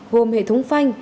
gồm hệ thống phanh